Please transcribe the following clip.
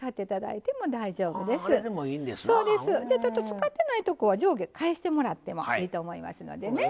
つかってないとこは上下返してもらってもいいと思いますのでね。